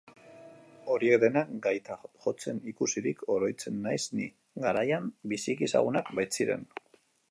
Horiek denak gaita jotzen ikusirik oroitzen naiz ni, garaian biziki ezagunak baitziren.